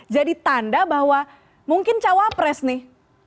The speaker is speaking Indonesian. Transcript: jadi tanda bahwa mungkin cawapres nih